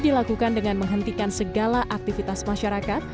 dilakukan dengan menghentikan segala aktivitas masyarakat